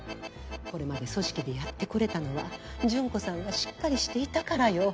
これまで組織でやってこれたのは順子さんがしっかりしていたからよ。